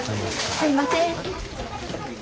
すみません。